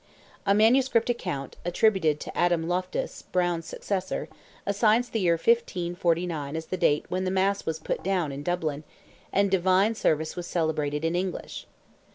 A manuscript account, attributed to Adam Loftus, Browne's successor, assigns the year 1549 as the date when "the Mass was put down," in Dublin, "and divine service was celebrated in English."